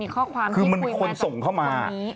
คือมันเป็นคนส่งเข้ามา